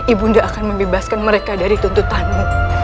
ibu nda akan membebaskan mereka dari tuntutanmu